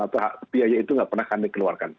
atau biaya itu nggak pernah kami keluarkan